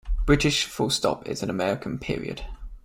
British full stop is American period.